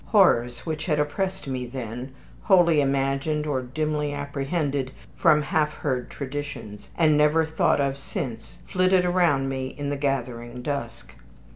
Horrors which had oppressed me then, wholly imagined or dimly apprehended from half heard traditions, and never thought of since, flitted around me in the gathering dusk.